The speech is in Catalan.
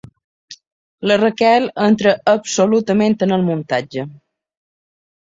La Raquel entra absolutament en el muntatge.